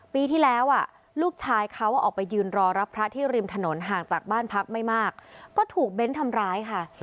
ปีที่แล้วลูกชายเขาออกไปยืนรอรับพระที่ริมถนนห่างจากบ้านพักไม่มากก็ถูกเบ้นทำร้ายค่ะ